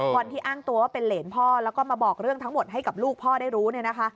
คนที่อ้างตัวว่าเป็นเหรนพ่อแล้วก็มาบอกเรื่องทั้งหมดให้กับลูกพ่อได้รู้เนี่ยนะคะ